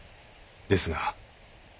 ですが。